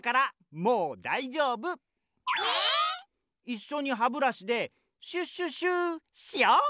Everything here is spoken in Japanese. いっしょにハブラシでシュシュシュしよう！